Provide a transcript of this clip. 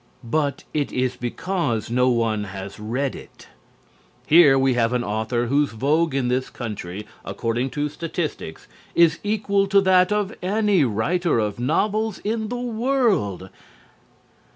But it is because no one has read it. Here we have an author whose vogue in this country, according to statistics, is equal to that of any writer of novels in the world.